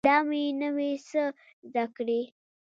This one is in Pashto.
دا مې نوي څه زده کړي